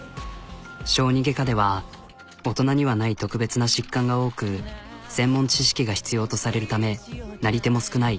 小児外科では大人にはない特別な疾患が多く専門知識が必要とされるためなり手も少ない。